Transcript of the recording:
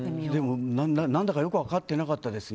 何だかよく分かっていなかったです。